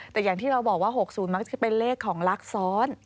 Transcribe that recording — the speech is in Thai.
แต่อย่างที่เราบอกว่า๖๐มักจะเป็นเลขของลักษณ์ซ้อน